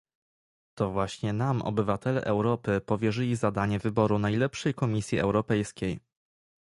To właśnie nam obywatele Europy powierzyli zadanie wyboru najlepszej Komisji Europejskiej